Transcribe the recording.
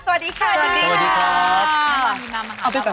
สวัสดีค่ะทุกที